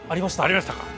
ありましたか。